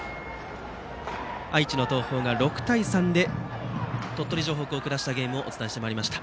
愛知の東邦が６対３で鳥取城北を下したゲームをお伝えしました。